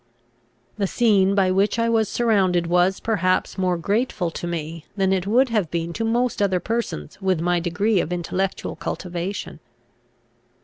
The scene by which I was surrounded was perhaps more grateful to me, than it would have been to most other persons with my degree of intellectual cultivation.